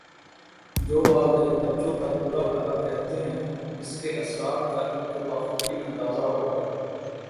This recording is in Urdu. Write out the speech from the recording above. جو والدین بچوں کا برا بھلا کہتے ہیں اسکے اثرات کا انکو بخوبی اندازہ ہو گا